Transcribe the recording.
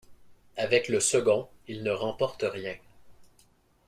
Avec le second, il ne remporte rien.